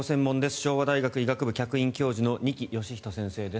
昭和大学医学部客員教授の二木芳人先生です。